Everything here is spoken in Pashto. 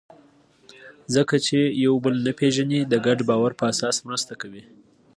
خلک چې یو بل نه پېژني، د ګډ باور په اساس مرسته کوي.